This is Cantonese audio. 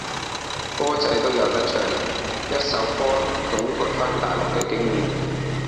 歌仔都有得唱，一首歌總括番大陸嘅經驗